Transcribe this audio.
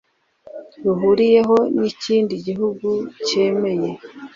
ruhuriyeho n ikindi gihugu cyemeye